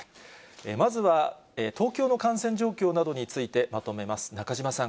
まずは東京の感染状況などについて、まとめます。